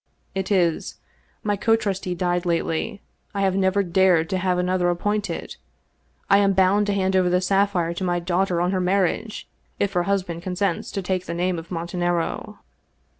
" It is. My co trustee died lately. I have never dared to have another appointed. I am bound to hand over the sapphire to my daughter on her marriage, if her husband consents to take the name of Montanaro."